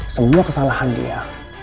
semua kesalahan dia